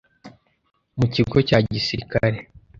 mu kigo cya gisirikare